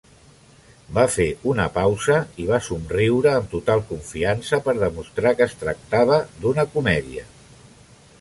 Va fer una pausa i va somriure amb total confiança per demostrar que es tractava d'una comèdia.